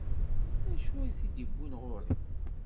D acu i t-id-iwwin ɣur-i?